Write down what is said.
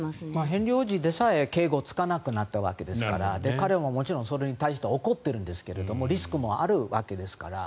ヘンリー王子でさえ警護がつかなくなったので彼ももちろんそれに対して怒ってるんですけどもリスクもあるわけですから。